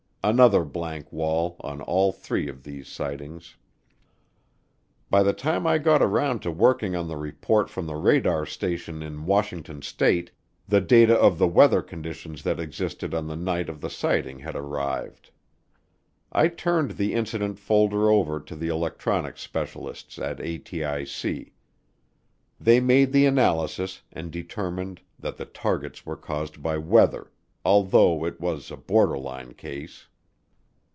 Another blank wall on all three of these sightings. By the time I got around to working on the report from the radar station in Washington State, the data of the weather conditions that existed on the night of the sighting had arrived. I turned the incident folder over to the electronics specialists at ATIC. They made the analysis and determined that the targets were caused by weather, although it was a borderline case.